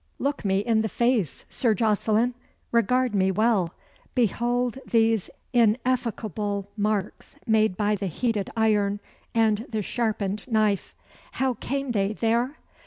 "Look me in the face, Sir Jocelyn! Regard me well! Behold these ineffaceable marks made by the heated iron, and the sharpened knife! How came they there?